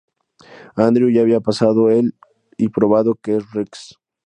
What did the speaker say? Andrew ya había pasado el y "probado" que es Rags.